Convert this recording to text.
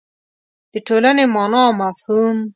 د ټولنې مانا او مفهوم